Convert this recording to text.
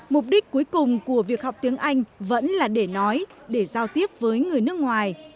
mục đích cuối cùng của việc học tiếng anh vẫn là để nói để giao tiếp với người nước ngoài